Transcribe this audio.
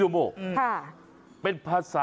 ขอบคุณมากค่ะ